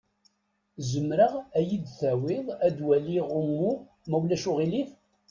Zemreɣ ad yi-d-tawiḍ ad waliɣ umuɣ, ma ulac aɣilif?